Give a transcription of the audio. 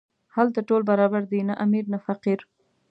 هلته ټول برابر دي، نه امیر نه فقیر.